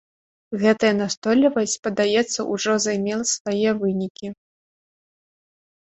Гэтая настойлівасць, падаецца, ужо займела свае вынікі.